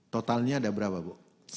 totalnya ada berapa bu